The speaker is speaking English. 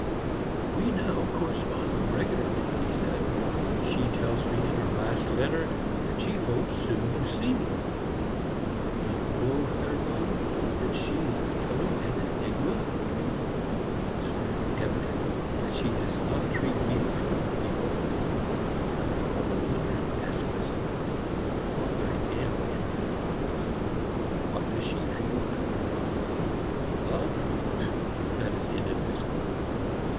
"We now correspond regularly," he said. "She tells me in her last letter that she hopes soon to see me. Do you know, Hermann, that she is becoming an enigma for me? It is very evident that she does not treat me like other people, and I often wonder and ask myself what I am in her eyes? What does she feel towards me? Love? That is inadmissible.